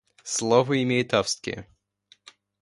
Слово имеет Австрия.